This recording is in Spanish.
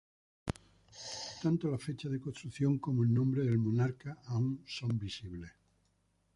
Tanto la fecha de construcción como en nombre del monarca aun son visibles.